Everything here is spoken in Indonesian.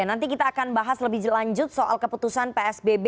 nanti kita akan bahas lebih lanjut soal keputusan psbb